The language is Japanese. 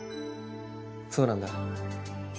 そうなんだ。